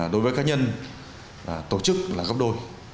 đối với cá nhân tổ chức là gấp đôi